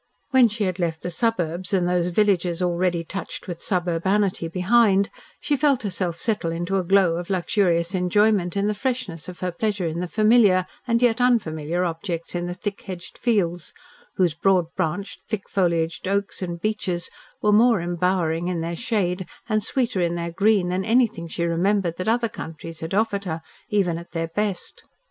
When she had left the suburbs and those villages already touched with suburbanity behind, she felt herself settle into a glow of luxurious enjoyment in the freshness of her pleasure in the familiar, and yet unfamiliar, objects in the thick hedged fields, whose broad branched, thick foliaged oaks and beeches were more embowering in their shade, and sweeter in their green than anything she remembered that other countries had offered her, even at their best.